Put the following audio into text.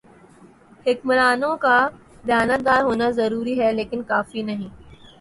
حکمرانوں کا دیانتدار ہونا ضروری ہے لیکن کافی نہیں۔